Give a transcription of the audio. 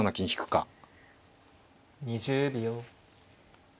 ２０秒。